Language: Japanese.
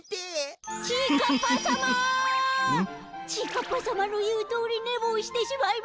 ちぃかっぱさまのいうとおりねぼうしてしまいましたごめんなさい。